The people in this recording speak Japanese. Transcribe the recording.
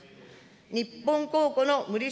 日本公庫の無利子